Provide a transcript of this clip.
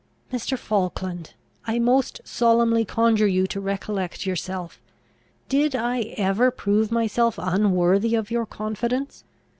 "Mr. Falkland! I most solemnly conjure you to recollect yourself! Did I ever prove myself unworthy of your confidence?